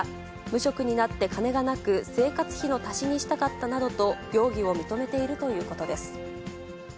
無職になって金がなく、生活費の足しにしたかったなどと、容疑を認めているということです。